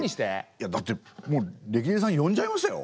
いやだってもうレキデリさん呼んじゃいましたよ。